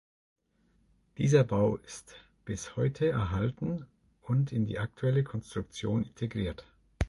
Dieser Bau ist bis heute erhalten und in die aktuelle Konstruktion integriert.